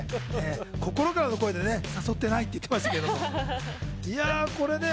心からの声で誘ってないって言ってましたけどね。